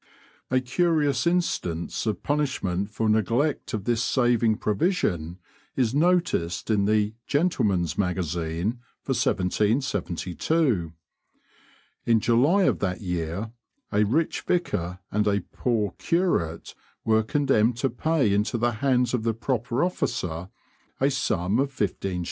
A curious instance of punishment for neglect of this saving provision, is noticed in the 'Gentleman's Magazine' for 1772. In July of that year a rich vicar and a poor curate were condemned to pay into the hands of the proper officer a sum of 15_l.